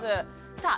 さあ